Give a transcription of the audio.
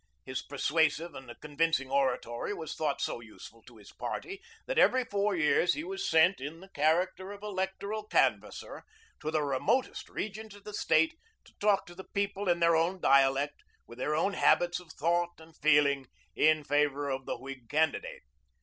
His persuasive and convincing oratory was thought so useful to his party that every four years he was sent, in the character of electoral canvasser, to the remotest regions of the State to talk to the people in their own dialect, with their own habits of thought and feeling, in favor of the Whig candidate.